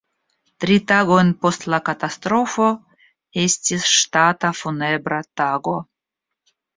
Tri tagojn post la katastrofo estis ŝtata funebra tago.